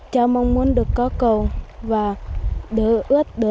cháu mong muốn được có cầu và đỡ ước